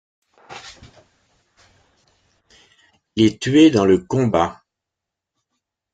Il est tué dans le combat.